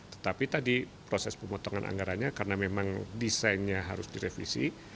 tetapi tadi proses pemotongan anggarannya karena memang desainnya harus direvisi